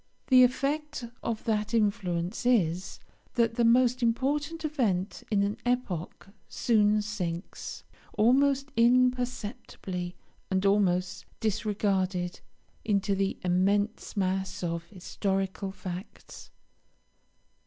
The effect of that influence is, that the most important event of an epoch soon sinks, almost imperceptibly and almost disregarded, into the immense mass of historical facts.